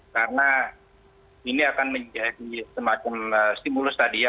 karena ini akan menjadi semacam stimulus tadi ya